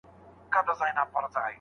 د هغوی سرعت زیاتېږي.